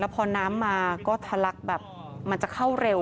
แล้วพอน้ำมาก็ทะละกยากแบบมันจะเข้าเร็ว